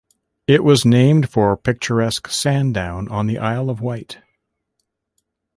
It was named for picturesque Sandown on the Isle of Wight.